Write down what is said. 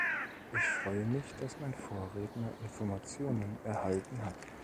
Ich freue mich, dass mein Vorredner Informationen erhalten hat.